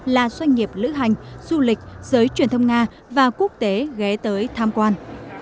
là doanh nghiệp lữ hành du lịch giới truyền thông nga và quốc tế ghé tới tham quan